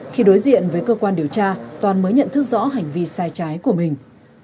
khi đối diện với cơ quan điều tra toàn mới nhận thức rõ hành vi sai trái của mình